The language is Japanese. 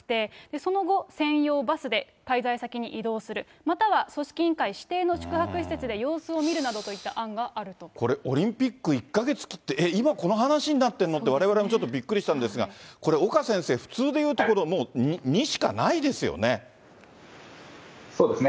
その後、専用バスで滞在先に移動する、または組織委員会指定の宿泊施設で様子を見るなどといった案があこれ、オリンピック１か月切って、えっ、今この話になってるのって、われわれもちょっとびっくりしたんですが、これ、岡先生、普通で言うと、もう２しかないですよね。